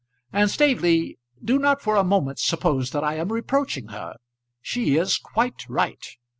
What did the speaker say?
And, Staveley, do not for a moment suppose that I am reproaching her. She is quite right.